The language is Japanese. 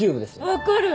分かる！